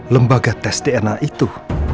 lembaga tes dna itu